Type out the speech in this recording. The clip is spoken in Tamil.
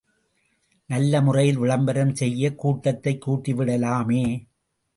நல்லமுறையில் விளம்பரம் செய்து கூட்டத்தைக் கூட்டிவிடலாமே!